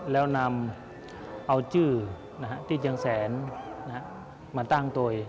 แล้วนำเอาชื่อที่เชียงแสนมาตั้งตัวเอง